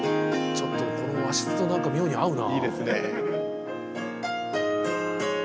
ちょっとこの和室と何か妙に合うな。